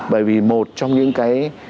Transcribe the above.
bởi vì một trong những cái